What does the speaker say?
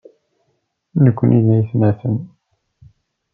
Nekkni d aytmaten.